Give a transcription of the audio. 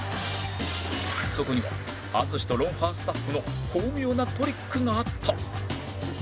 そこには淳と『ロンハー』スタッフの巧妙なトリックがあった